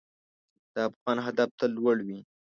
د افغان هدف تل لوړ وي.